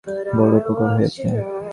বড়ো উপকার হইয়াছে।